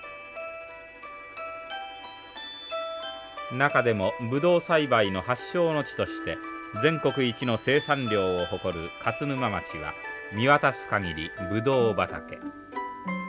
中でもブドウ栽培の発祥の地として全国一の生産量を誇る勝沼町は見渡す限りブドウ畑。